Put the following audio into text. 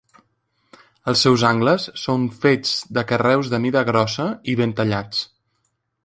Els seus angles són fets de carreus de mida grossa i ben tallats.